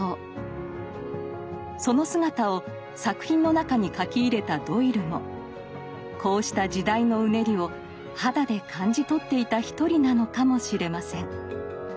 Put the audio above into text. その姿を作品の中に書き入れたドイルもこうした時代のうねりを肌で感じ取っていた一人なのかもしれません。